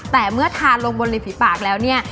แต่เมื่อทานลงบนริมฝีปากแล้วเนี่ย